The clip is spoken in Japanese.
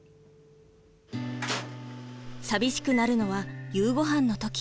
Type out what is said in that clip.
寂しくなるのは夕ごはんの時。